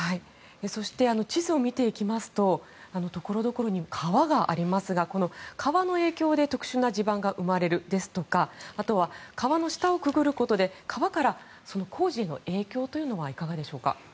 そして地図を見ていきますとところどころに川がありますがこの川の影響で特殊な地盤が生まれるとか川の下をくぐることで川から工事への影響はいかがでしょうか。